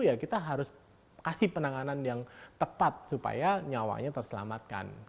ya kita harus kasih penanganan yang tepat supaya nyawanya terselamatkan